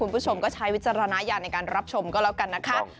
คุณผู้ชมก็ใช้วิจารณญาณในการรับชมก็แล้วกันนะคะ